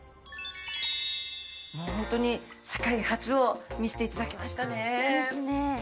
もう本当に世界初を見せていただきましたね。ですね。